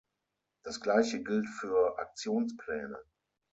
Das gleiche gilt für Aktionspläne.